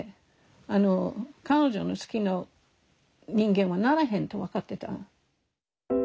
あの彼女の好きな人間はならへんと分かってた。